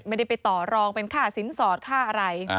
ไม่ได้ไปต่อรองเป็นค่าสินสอดค่าอะไร